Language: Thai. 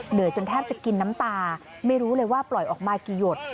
จนแทบจะกินน้ำตาไม่รู้เลยว่าปล่อยออกมากี่หยด